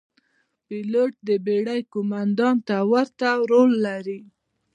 پیلوټ د بېړۍ قوماندان ته ورته رول لري.